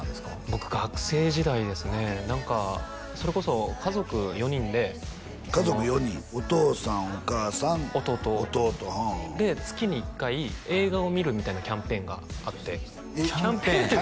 僕学生時代ですね何かそれこそ家族４人で家族４人お父さんお母さん弟で月に１回映画を見るみたいなキャンペーンがあってキャンペーン？